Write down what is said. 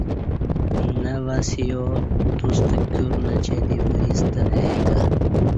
نہ واسیا توستہ کیور نچیں دی وریست ای کہ